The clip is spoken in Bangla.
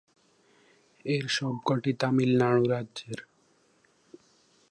এর সবকটি তামিলনাড়ু রাজ্যের।